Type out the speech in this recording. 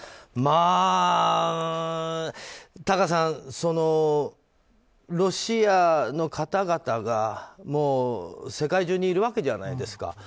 まあタカさん、ロシアの方々が世界中にいるわけじゃないですか。